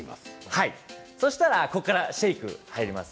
そしたらここからシェイクに入ります。